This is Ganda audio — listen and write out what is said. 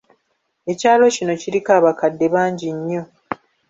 Ekyalo kino kiriko abakadde bangi nnyo.